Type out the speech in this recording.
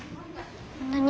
何？